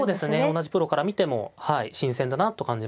同じプロから見ても新鮮だなと感じます。